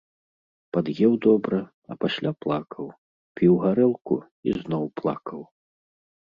Пад'еў добра, а пасля плакаў, піў гарэлку і зноў плакаў.